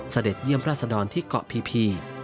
เสด็จเยี่ยมราชดรที่เกาะพี